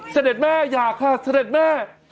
เสด็จแม่อยากค่ะเสด็จแม่